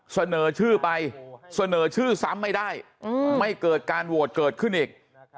เสนอชื่อไปเสนอชื่อซ้ำไม่ได้ไม่เกิดการโหวตเกิดขึ้นอีก